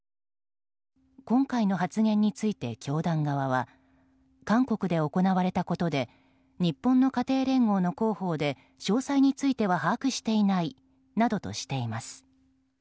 今回の発言について、教団側は韓国で行われたことで日本の家庭連合の広報で詳細については把握していないなどとしています。